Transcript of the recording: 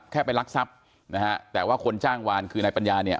แค่ไปรักทรัพย์นะฮะแต่ว่าคนจ้างวานคือนายปัญญาเนี่ย